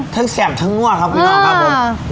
ทั้งแซ่บทั้งนวดครับพี่น้องครับผม